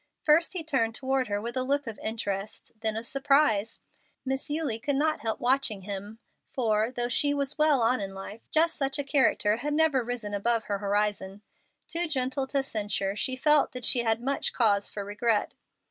First he turned toward her with a look of interest, then of surprise. Miss Eulie could not help watching him, for, though she was well on in life, just such a character had never risen above her horizon. Too gentle to censure, she felt that she had much cause for regret.